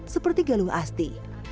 seperti galuh asti